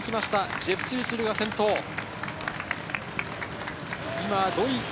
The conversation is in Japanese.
ジェプチルチル、先頭です。